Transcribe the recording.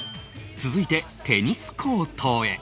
続いてテニスコートへ